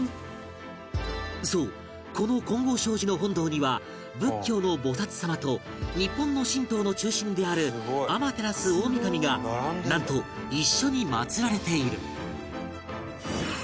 そうこの金剛證寺の本堂には仏教の菩薩様と日本の神道の中心である天照大御神がなんと一緒に祀られている